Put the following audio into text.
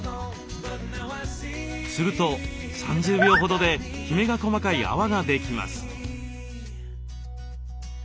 すると３０秒ほどできめが細かい泡ができます。